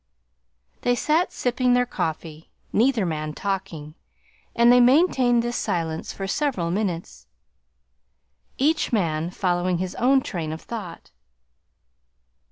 They sat sipping their coffee, neither man talking, and they maintained this silence for several minutes, each man following his own train of thought.